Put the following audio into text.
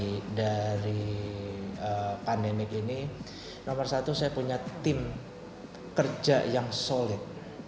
pada saat pandemi ini nomor satu saya punya tim kerja yang solid